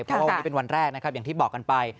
เพราะว่าวันนี้เป็นวันแรกนะครับอย่างที่บอกกันไป